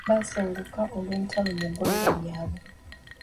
Baasenguka olw'entalo mu ggwanga lyabwe.